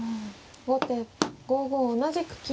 後手５五同じく金。